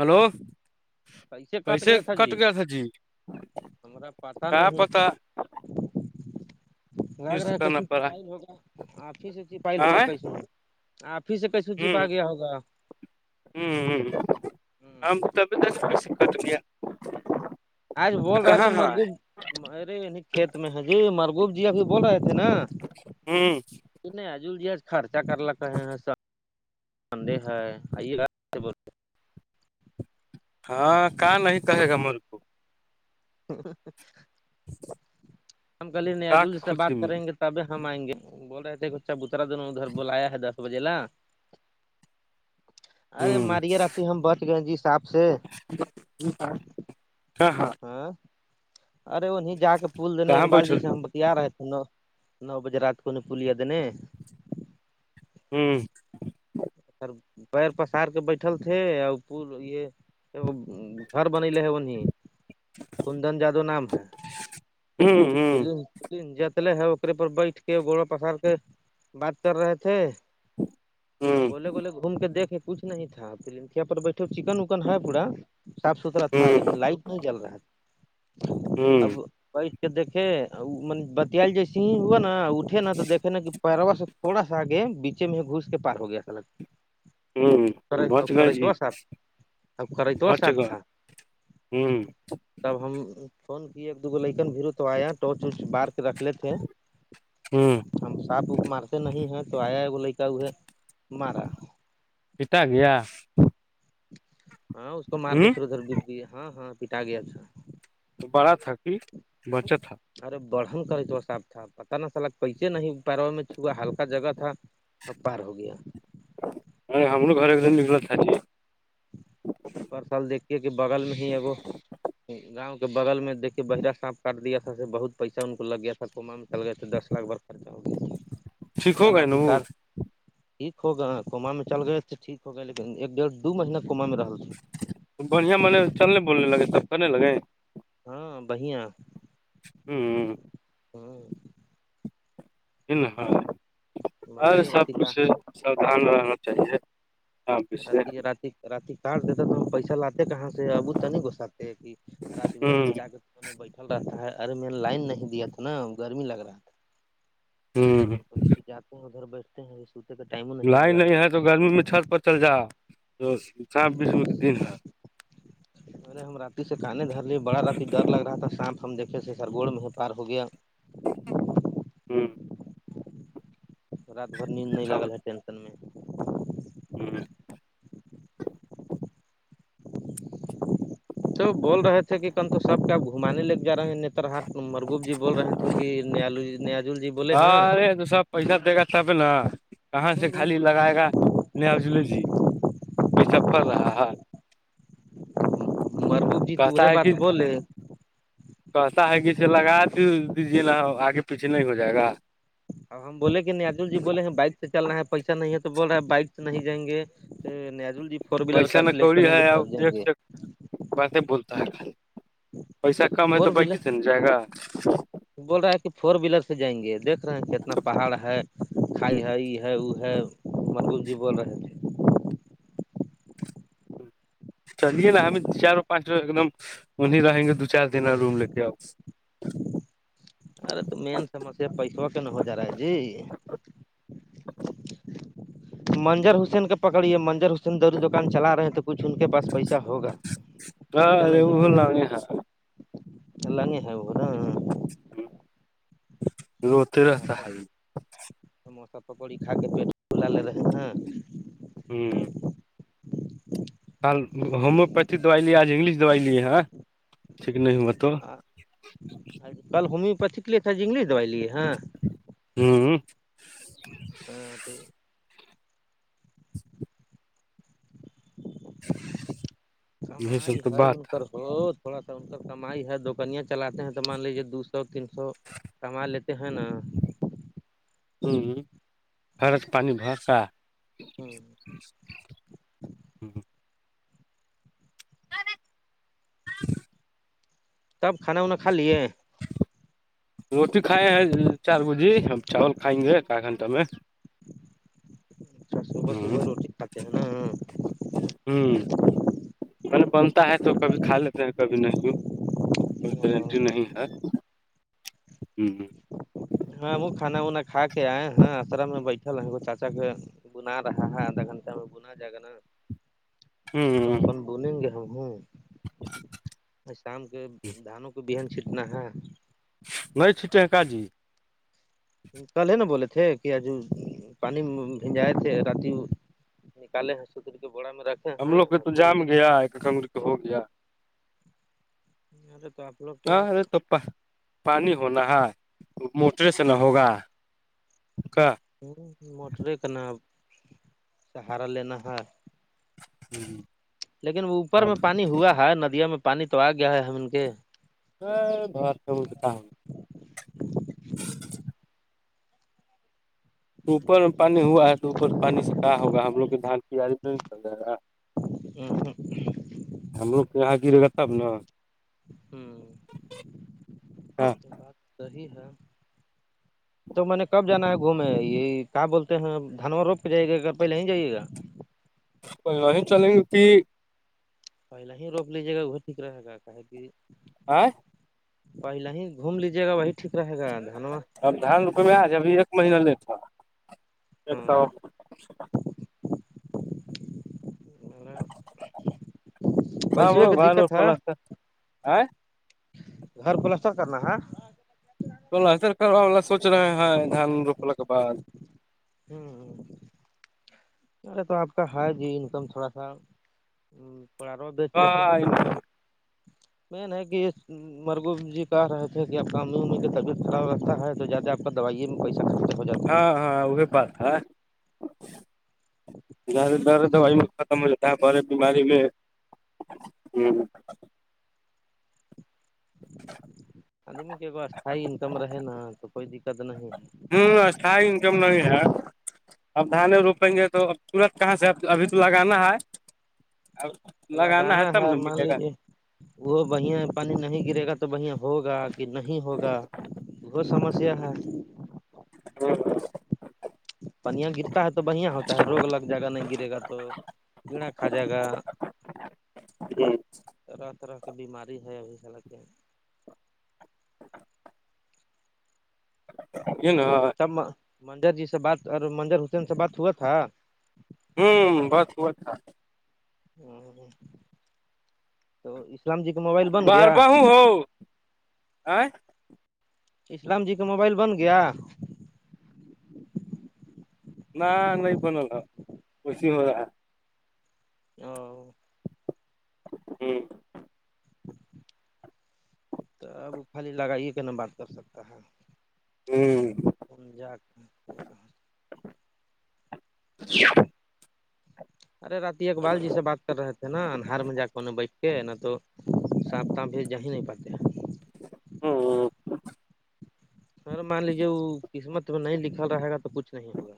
hello ہیلسے کٹ کیسے گ تھا کٹ جی گیا ہمارا پتہ کیا نہیں پتا پھر گگ سے رہا تو ش کرنا پڑا پائل ہوگا آپ ہی سے چپائی ہوگا آئے کیسے آپ ہی سے کیسے چپا گیا ہوگا ہ ہ ہم تو تبھی ت چ شکت لی ہے آج بول رہے تھے مرگو ارے نی کھیت میں ہے جی مرگوب جی بھی بول رہے تھے نا ہوں نہیں عجول ج خرچہ کرلکے ہیں سب بندے ہے آئی ب ہاں کہاں نہیں کہے گا میرے کو ہم کل ن کا اجل سے بات خوشی میں کریں گے تو تب ہم آئ گے بول رہے تھ کہ بچا بترا دونوں ادھر بلایا ہے دس [unintelligible] ارے ہوں مارے رہتے ہم بچ گئے جیسااب سے ہاں ہاں ہاں ارے وہہ جا کے پھول دینے کہاں ابال جی بیٹھل سے ہم بتیا رہے ہیں تھ نو بجے رات کونے پھلییا دنے ہوں سر پیر پسار کے بیٹھل تھے اور پ یہ گھر بنلے ہے اننہ کندن جادو نام ہے [unintelligible] ف ہوں ف جتلے ہے اکے پر بیٹھ کے گوڑا پسار کے بات کر رہے تھے ا ہوں گولے گوولے گھوم کے دیکے کچھ نہیں تھا فلم پر بیٹھے چکن وکن ہے پورا صاف ستھرا تھا لیکن ہوں لائٹ نہیں جل رہا ہوں کہ دھے م بتیال جی س ہی ہوا نا اٹھے نا تو دے نا کہ پہروا سے تھوڑا سا آگے بیچے میں گھس کے پار ہو گیا سا لگ ہوں بچ گئی جی کرتوا صاحب اب کرتوا بچ صاحب گا تھا ہوں تب ہم فون کیے ایک دوگ لیکن بھیرو تو آیا ٹورچچ بار رکھ لیتے ہیں ہوں ہم صاپ وک مارتے نہیں ہیں تو آیا ہے وہ لڑکا ہو ہے مارا پتاا گیا ہاں اس کو مار کے ہوں پھر ادھر بت گیا ہاں ہاں پٹا گیا اچھا بڑا تھا کہ بچت تھا ارے بڑھن کرے تو صاب تھا پتا ن چلا کیسے نہیں پیروا میں چھا ہلکا جگہ تھا ا پار ہو گیا ہمو گھر ایک دن نکلت تھای پرر سل دیکھے کہ بغل میں ہی ایکو گاؤں کے کے بغل میں دیک کے بہرہ سانف کر دیا تھا سے بہت پیسہ ان کو لگ گیا تھا کو میں چل گئے تو دس لاکھ بڑ خرچہ ہو گیا ٹھیک ہو گئے نا سر وہ کار ٹھیک ہوگا کنما میں چل گئے تو ٹھیک ہو گئے لیکن ایک ڈیڑھ دو مہینہ کوما میں رہ بڑھیا منے چلنے بولنے لگے سب کرنے لگے ہاں بہیا ہوں ہوں اور بتائی سب رات کا کچھ سودودھان رہنا چاہیے ہاں پچھے رات رات رات کاڈ دیتا پیسہ لاتا کہاں سے ابوت تو نہیں گ سکتے کہ رات برات سے ہوں جا ان بیٹھل رہتا تھا ہے ارے میں نے لائن نہیں دیا تھا نا گرمی لگ رہا تھا ہوں کے جاتے ہیں ادھر بیٹھتے ہیں م لائن نہیں ہے تو گرمی میں چھت پر چل جا تو چار بیسو کے دن ہے ارے ہم راتی سے کانے دھر لیے بڑا راتی ڈر لگ رہا تھا سانپ ہم دیکھے تھ سرگوڑ میں ہی پار ہو گیا ہوں رات بھر نیند نہیں لگل ہے ٹینسن میں ہاں تو بول رہے تھے کہ کن تو سب کا گھمانے لگے جا رہے ہیں نیتر ہاٹ مرگوب جی بول رہے تھے کہ نیال نیا ہاں ارے تو سا پیسہ دے گا تب نا کہاں سے ہاں خالی لگائے گا ن افجل جی وہیسفر رہا ہے مر بو جی تو کہتا وہ ہے بات کہ بولے کہتا ہے کہے لگا تو دیجیے نا آگے پیچھے نہیں ہو جائے گا اب ہم بولے کہ نہیں اجل جی بولے ہیں بائک سے چل رہا ہے پیسہ نہیں ہے تو بول رہےا بائک سے نہیں جائیں گے نیزول دیی ویسا میں کوڑی ہے ایک سے باتیں بولتا ہے پیسہ کم ہے فور تو ویلر بائیکس ن جائے گا بول رہا ہے کہ فور ویلر سے جائیں گے دیکھ رہے ہیں کہ اتنا پہاڑ ہے کھائی ہے ای ہے وہ ہے ملور جیبون رہ چلیے نا ہمیں چاروں پانچو ایک دم انیں رہیں گے دو چار دن روم لے کے آؤ ارے تو مین سمسیا پیسوں کے ن ہو جا رہا ہے جی منجر حسین کے پکڑیے منجر حسین دوری دکان چلا رہے تھ تو کچھ ان کے پاس پیسہ ہوگا ہاںرے وہ بول ل ہاں [unintelligible] اللہ نہیں ہےورا ہ [unintelligible] روتے رہتا سموسہ ہے سموسہ پکڑی کھ کے پیٹ بلا لے رہے ہیں ہوں کل ہومیوپیتھی دوائی لیے آج انگلش دوائی لیے ہیں ٹھ نہیں ہو ہوت تو [unintelligible] کل ہومیوپیتھ کے لیے تھا جگلیش دوائی لیے ہیں ہوں ہاں [inaudible] یہ سب کمائی تو ہے ان بات پرر وہ تھوڑا سا ان کا کمائی ہے دوکنیاں چلاتے ہیں تو مان لیجیے دو سو تین سو کما لیتے ہیں نا ہوں خرق پانی بھرس [unintelligible] ہوں ہوں ہوں [unintelligible] س ہاں [unintelligible] تب کھانا وا کھا لیے روٹی کھائے ہیں چار بو جی ہم چاول کھائیں گے آھ گھنٹہ میں اچھا صبح ہ صبح روٹٹھاک ہے نا ہ [unintelligible] ہوں الے بنتا ہے تو کبھی کھا لیتے ہیں کبھی نہیں بھی کوئی گارنٹی نہیں ہے ہ ہاں وہ کھانا وناا کھا کے آئے ہیں آسرا میں بیٹھل ہے وہ چاچا کے بنا رہا ہے دن بنا جائے گا نا [unintelligible] ج [unintelligible] توپن بولیں گے ہم ہوں [unintelligible] شام کے دھانوں کو بہن چھینٹنا ہے [unintelligible] نہیں چ ٹنکا جی [unintelligible] کل ہے نا بولے تھے کہ آج پانی بھیھنجائے تھے رات [unintelligible] نکالے ہیں سو طری کے بڑا میں رکھ [unintelligible] ہم لوگ کے تو جام گیا ایک کگرک ہو گیا ارے تو آپ لگ [unintelligible] ہاں ا تپا [unintelligible] پانی ہونا ہے موٹرے سے نہ ہوگا کیا ہوں موٹر کا ہارا لے ن ہا [unintelligible] ہوں لیکن وہ اوپر میں پانی ہوا ہے ندیاوں میں پانی تو آ گیا ہے ہم ان کے ا بھر س بولچ کہ [unintelligible] [inaudible] اوپر میں پانی ہوا ہے تو اوپر پانی سے کہ ہوگا ہم لوگ دھان کی نہیں چل جائے گا ہ ہاں [unintelligible] ہمرو کیاا گرے گا تب نا ہوں صیح ہے [inaudible] تو میں نے کب جانا ہے گھومے یہ کیا بولتے ہیں دھنوور روپ کے جائی گا کیا پہلے ہی جائیے گا وہیں چلیں گے کہ پہلا ہی روک لیجے گا وہ ٹھیک رہے گا کہے کہ آئ [unintelligible] پہل ہی گھوم لیجیے گا بھائی [unintelligible] اب دھان رکویاج ابھی ایک مہین لی تھا ایک ہوں سو ہاں پیسے بولو گ کی دقت ہے پلانتا آ گھر پلسٹر کرنا ہے ر کراءا سوچ رہے ہے دان روپل کے بعد ہوں ہ ارے تو آپ کا ہر جی انکم تھوڑا سا پڑ رہو بیچ ہاں لیتے ہیں لیکن مین ہے کہ اس مرگغوب جی کہہ رہے تھے کہ آپ کاممی امر کی طبیعت خراب رگتا ہے تو زیادہ آپ کا دوائیے میں پیسہ خرچ ہو جائےا [unintelligible] ہاں ہاں وہی بات ہے زد در دوائی میں ختم ہو ج [unintelligible] ت پر بیماری میں ہوں [unintelligible] آدمی کے کو اسھائی انکم رہے نا تو کوئی دقت نہیں ہے ہوں اسھائی انکم نہیں ہے اب دھانے روپیں گے تو اب تورت کہاں سے ابھی تو لگانا ہے ا ہے لگانا ہے تب ن مان ملے گا لیجیے وہ بھیا پانی نہیں گرے گا تو بھیا ہوگا کہ نہیں ہوگا بہت سمسیا ہے ہ ہ پنیاں گرتا ہے تو بڑھیا ہوتا ہے روگ لگ جائے گا نہیں گرے گا تو کیڑا کھا جائے گا اے جی طرح طرح کے بیماری ہے ابھی سک کے ا ن تب منظر جی سے بات اور منجر حسین سے بات ہوا تھا ہوں بت ہوت تھا ہ تو اسلام جی کا موبائل بن بار گیا بہو ہو آ اسلام جی کا موبائل بن گیا نہ نہیں بنل کش ہو رہا ہے او جی تو اب خالی لگائیے کہ ن بات کر سکتا ہے ہ پنجاب ا ارے رات اقبال جی سے بات کر رہے تھے نا انہار میں جا کے اننے بیٹھ ٹھیک ہے نہ تو ساپ تام بھیج جا ہی نہیں پاتے ہیں ا سر مان لیجیے وہ قسمت میں نہیں لکھل رہے گا تو کچھ نہیں ہوگا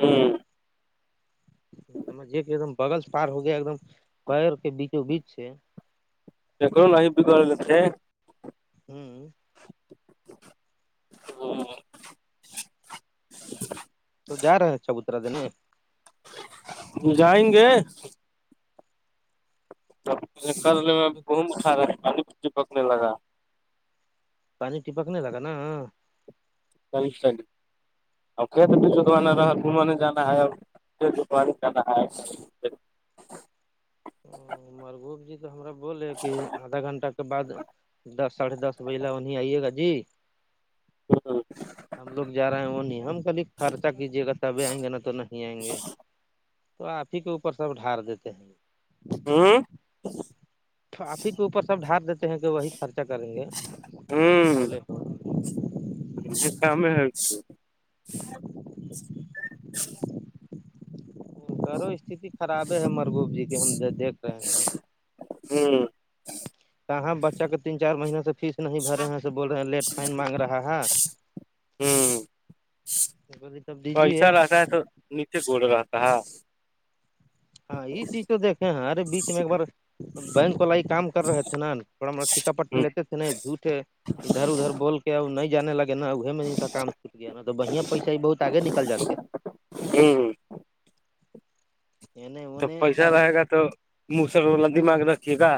ہوں ج کہ ایک دم بغل پار ہو گیا ایک دم پیر کے بیچوں بیچ سے دیکھو نہیں بھی گ ل تھے ہوں تو تو جا رہے چبوترا دنے جائیں گے کر مر لے میں گم اھا رہا ہے کالی بچی پکنے لگا پانی ٹپک نہیں لگا نا چلی چلی اور کت پ چودوانا رہا گوم نہیں جانا ہے اور جپار کنا مرغوب جی تو ہم بولے کہ آدھا گھنٹہ کے بعد دس ساڑھے دس بج انہیں آئیے گا جی ہوں ہم لوگ جا رہے ہیں وہ نہیں ہم کبھی خرچہ کیجیے گا تبھی آئیں گے نا تو نہیں آئیں گے تو آپ ہی کے اوپر سب ڈھار دیتے ہیں ہوں کاپی کے اوپر سب ڈھار دیتے ہیں کہ وہی خرچہ کریں گے بولے جے کم ہےچ ءھ گو استھی خرابے ہے مرگوب جی کے ہم دیکھ رہے ہیں ہوں کہاں بچہ کے تین چار مہینے سے فیس نہیں بھرے ہیں سے بول رہے ہیں لیٹ فائن مانگ رہا ہے ہوں تب پیسا دیجیے رہتا ہے تو نیچے گڑ رہتا ہے ہاں یہ چیز تو دیکھے ارے بیچ میں ایک بار بینک کو لائ کام کر رہے تھ نا تھوڑا موڑا ٹھیکا پٹ ہ لیتے تھے جھوٹ ادھر ادھر بول کے ا نہیں جانے لگے نا اے میں کا چھوٹ گیا نا تو بڑیا پیسے بہت آگے نکل جات ہے جی ہیں تو انہیں پیسہ سر رہے گا تو مسر والا دماغ رکھیے گا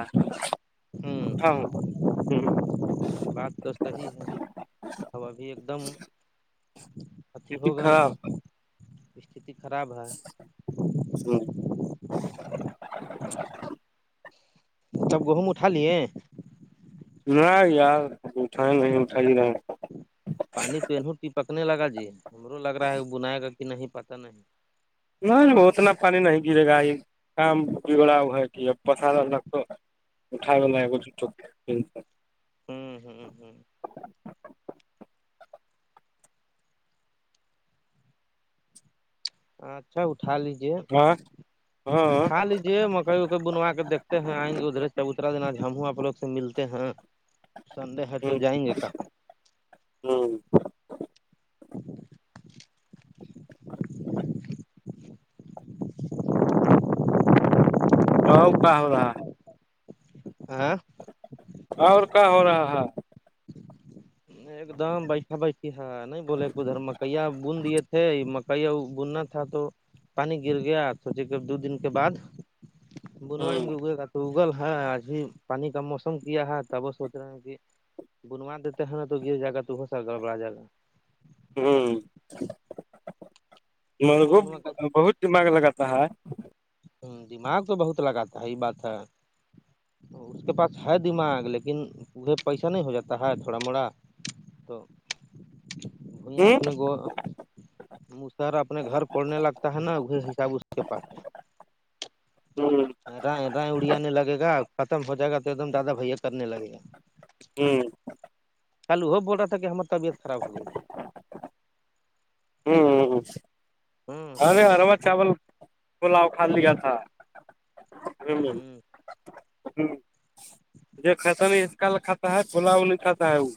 ہوں بات تو صحیح ہے اب ابھی ایک دم اتیھی کتی ہو گئے خراب ہیں استتی خراب ہے ہوں جب گہم اٹا لیے نہ یار اٹھائیں نہیں اٹھائی رہے پانی توہوں ٹپکنے لگا جی ہمرو لگ رہا ہے بنائے گا کہ نہیں پت نہیں نہیں وہ اتنا پانی نہیں گرے گا یہ کام بگڑا ہو ہے کہب پسار لگ تو اٹھا گ ہے چھ ہوں ہوں ہوں اچھا اٹھا لیجیے ہاں ہاں اٹھا لیجیے کئی اکئی بنوا کے دھتے ہیں آئ گے ادھرے چبوتر دن آج ہم آپ لگ سے ملتے ہیں سنڈے ہے تو جائیں گے کہاں ہوں گب ہاں کہ ہو رہا ہے آاں اور کیا ہو رہا ہے ایک دم بھا بیسی ہے نہیں بولے ادھر مکیا بند دیے تھے کہی بننا تھا تو پانی گر گیا سچے دو دن کے بعد بنوائ ہ گگے اوگل ہے ابھی پانی کا موسم کیا ہے تب وہ سوچ رہے ہیں کہ بنوا دیتے ہیں تو گر جا تو ہو سر گڑبڑا گا ہوں بنوا مرگو انوا کا بہت دماغ لگاتا ہے ہاں دماغ تو بہت لگاتا ہے یہ ہی بات ہے اس کے پاس ہے دماغ لیکن پھے پیسہ نہیں ہو جاتا ہے تھوڑا موڑا تو وہیا ہ اپنے وہ سر اپنے گھر پڑنے لگتا ہے نا وہ حساب اس کے پاس ہے ہ رائے اڑیانے لگے گا ختم ہو جائے گا تو ایک دم دیادہ بھیا کرنے لگے گا جی کل وہ بول رہ تھا کہ ہمر طبیت خراب ہو تھا ہ ہ ہ تھی ہوں ارے سمو کے ہرمت چاول [unintelligible] پلاؤ کھ لیا تھا ہوں ہ یہ کط نہیں اس کال کھاتا ہے کھلاؤ نہیں کھاتا ہے وہ